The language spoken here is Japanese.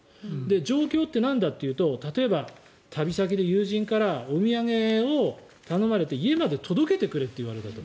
状況ってなんだというと例えば旅先で友人からお土産を頼まれて家まで届けてくれと言われたと。